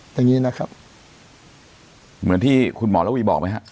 อย่างนี้นะครับเหมือนที่คุณหมอระวีบอกไหมฮะ